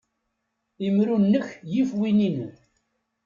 Imru-nnek yif win-inu.